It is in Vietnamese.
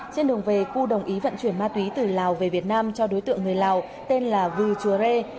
trên đường về cư đồng ý vận chuyển ma túy từ lào về việt nam cho đối tượng người lào tên là vư chúa rê